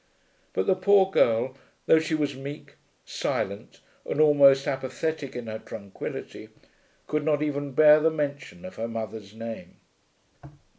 But the poor girl, though she was meek, silent, and almost apathetic in her tranquillity, could not even bear the mention of her mother's name.